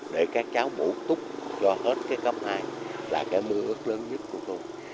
để các cháu bủ túc cho hết cái cấp hai là cái mưu ước lớn nhất của tôi